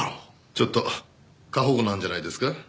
ちょっと過保護なんじゃないですか？